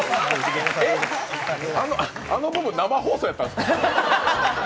あの部分、生放送やったんですか？